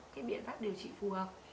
không có cái biện pháp điều trị phù hợp